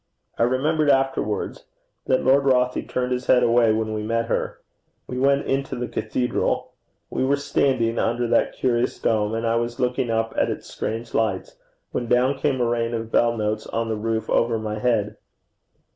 I remembered afterwards that Lord Rothie turned his head away when we met her. We went into the cathedral. We were standing under that curious dome, and I was looking up at its strange lights, when down came a rain of bell notes on the roof over my head.